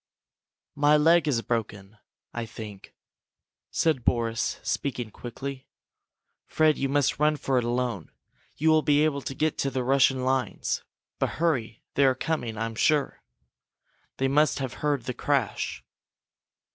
"My leg is broken, I think," said Boris, speaking quickly. "Fred, you must run for it alone. You will be able to get to the Russian lines. But hurry! They are coming, I'm sure! They must have heard the crash!"